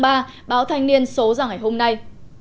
báo thanh niên số dòng ngày hôm nay